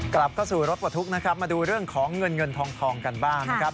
กลับเข้าสู่รถปลดทุกข์นะครับมาดูเรื่องของเงินเงินทองกันบ้างนะครับ